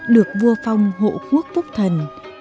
được vua phong hộ quốc phúc thần